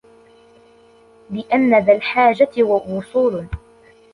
لِأَنَّ ذَا الْحَاجَةِ وُصُولٌ